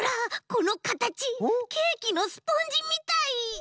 このかたちケーキのスポンジみたい！